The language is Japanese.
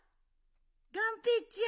がんぺーちゃん？